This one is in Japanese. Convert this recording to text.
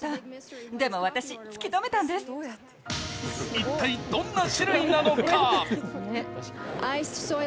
一体、どんな種類なのか。